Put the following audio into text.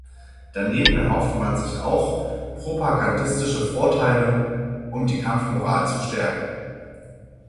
Daneben erhoffte man sich auch propagandistische Vorteile, um die Kampfmoral zu stärken.